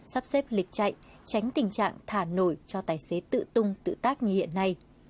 sắp xếp lịch chạy tránh tình trạng thả nổi cho tài xế tự tung tự tác như hiện nay